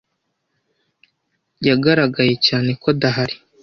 Yagaragaye cyane ko adahari.